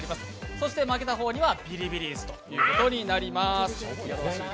そして負けた方にはビリビリ椅子ということになります。